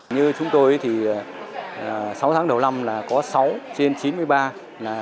như chúng tôi thì sáu tháng đầu năm là có sáu trên chín mươi ba